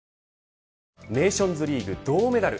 ネーションズリーグ銅メダル。